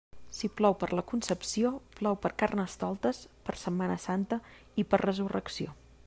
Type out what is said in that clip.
Si plou per la Concepció, plou per Carnestoltes, per Setmana Santa i per Resurrecció.